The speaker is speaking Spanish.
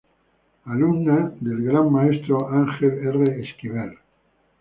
Alumna del gran maestro Ángel R. Esquivel.